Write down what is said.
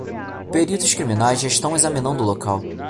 Peritos criminais já estão examinando o local